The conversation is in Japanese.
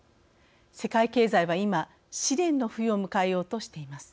世界経済は今試練の冬を迎えようとしています。